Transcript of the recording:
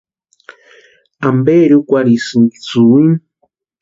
¿Amperi úkwarhisïnki sïwinu?